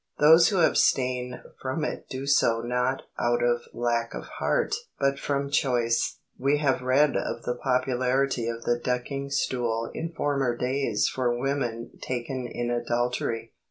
Those who abstain from it do so not out of lack of heart, but from choice. We have read of the popularity of the ducking stool in former days for women taken in adultery.